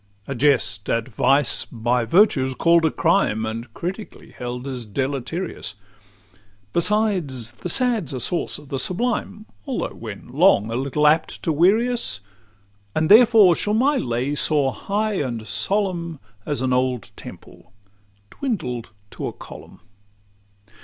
A jest at Vice by Virtue's call'd a crime, And critically held as deleterious: Besides, the sad's a source of the sublime, Although when long a little apt to weary us; And therefore shall my lay soar high and solemn, As an old temple dwindled to a column.